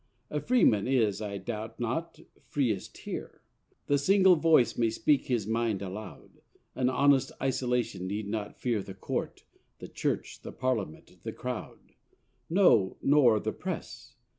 A freeman is, I doubt not, freest here; The single voice may speak his mind aloud; An honest isolation need not fear The Court, the Church, the Parliament, the crowd. No, nor the Press!